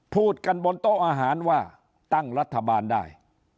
พูดกันบนโต๊ะอาหารว่าตั้งรัฐบาลได้